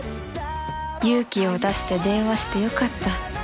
勇気を出して電話してよかった